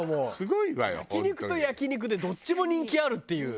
焼肉と焼肉でどっちも人気あるっていう。